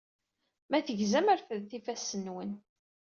Ma tegzam, refdet ifassen-nwen.